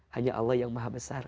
hanya allah yang maha besar